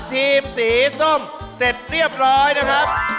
ทีมสีส้มเสร็จเรียบร้อยนะครับ